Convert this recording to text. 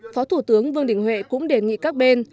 phó thủ tướng vương đình huệ cũng đề nghị các bên